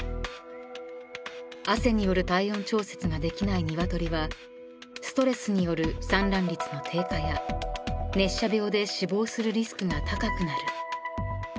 ［汗による体温調節ができない鶏はストレスによる産卵率の低下や熱射病で死亡するリスクが高くなる］